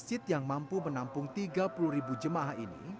masjid yang mampu menampung tiga puluh ribu jemaah ini